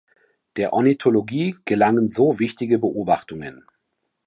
Der Ornithologie gelangen so wichtige Beobachtungen.